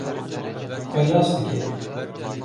xwe nas dike